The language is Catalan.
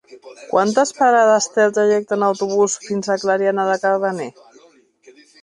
Quantes parades té el trajecte en autobús fins a Clariana de Cardener?